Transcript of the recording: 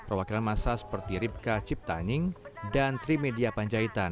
perwakilan masa seperti ripka ciptaning dan trimedia panjaitan